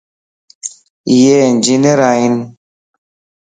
يي انجينئر ائين